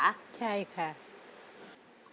ใช่ค่ะ